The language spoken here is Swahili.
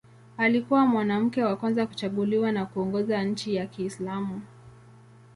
Alikuwa mwanamke wa kwanza kuchaguliwa na kuongoza nchi ya Kiislamu.